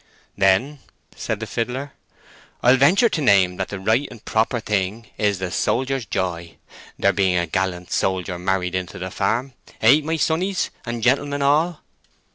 "Then," said the fiddler, "I'll venture to name that the right and proper thing is 'The Soldier's Joy'—there being a gallant soldier married into the farm—hey, my sonnies, and gentlemen all?"